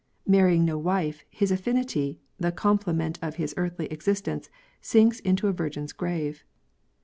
Marrying no wife, his affinity, the complement of his earthly existence, sinks into a virgin's grave.